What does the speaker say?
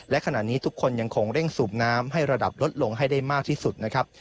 และขณะนี้ทุกคนยังคงเร่งสูบน้ำให้ระดับลดลงให้ได้มากที่สุดนะครับ